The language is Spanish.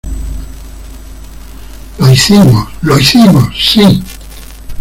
¡ Lo hicimos! ¡ lo hicimos !¡ sí !